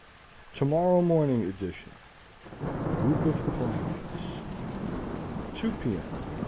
Tomorrow Morning Edition Group of planets 2 P. M.